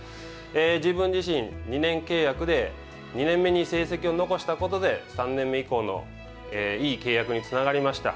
自分自身、２年契約で２年目に成績を残したことで３年目以降のいい契約につながりました。